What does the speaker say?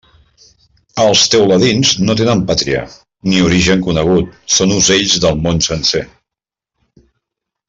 Els teuladins no tenen pàtria, ni origen conegut, són ocells del món sencer.